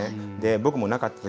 僕もなかったです。